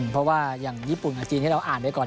เพราะว่าอย่างญี่ปุ่นกับจีนที่เราอ่านไปก่อน